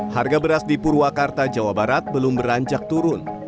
harga beras di purwakarta jawa barat belum beranjak turun